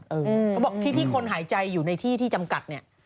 เขาบอกที่ที่คนหายใจอยู่ในที่ที่จำกัดเนี่ย